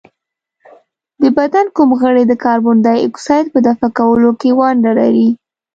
د بدن کوم غړی د کاربن ډای اکساید په دفع کولو کې ونډه لري؟